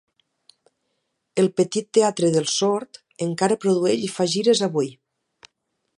El petit teatre dels sord encara produeix i fa gires avui.